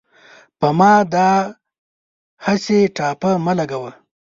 په ما داهسې ټاپه مه لګوۍ